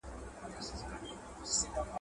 یوه زرکه یې له لیري وه لیدلې ..